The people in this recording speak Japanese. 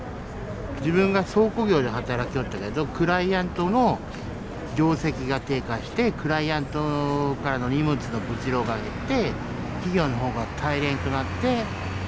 自分が倉庫業で働きよったけどクライアントの業績が低下してクライアントからの荷物の物量が減って。